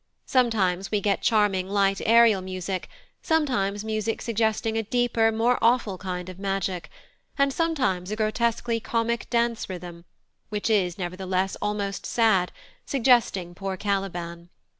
Sometimes we get charming light Ariel music, sometimes music suggesting a deeper, more awful, kind of magic, and sometimes a grotesquely comic dance rhythm, which is, nevertheless, almost sad, suggesting poor Caliban.